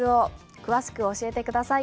詳しく教えてください。